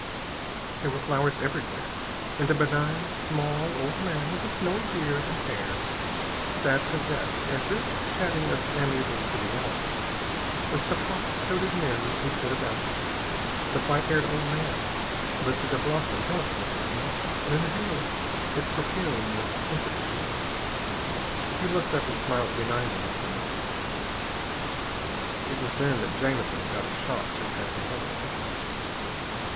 There were flowers everywhere, and a benign, small old man with a snowy beard and hair, sat at a desk as if chatting of amiable trivialities with the frock coated men who stood about him. The white haired old man lifted a blossom delicately to his nostrils and inhaled its perfume with a sensitive delight. He looked up and smiled benignly upon the two. It was then that Jamison got a shock surpassing all the rest.